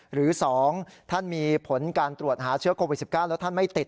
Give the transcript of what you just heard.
หรือ๒ท่านมีผลการตรวจหาเชื้อโควิด๑๙แล้วท่านไม่ติด